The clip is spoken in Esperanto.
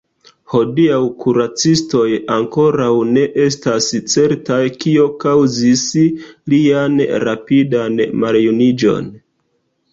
Hodiaŭ kuracistoj ankoraŭ ne estas certaj, kio kaŭzis lian rapidan maljuniĝon.